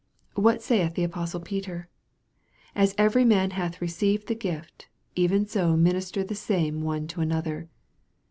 What saith the apostle Peter ?" As every man hath received the gift, even so minister the same one to another."